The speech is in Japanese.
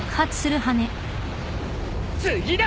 次だ！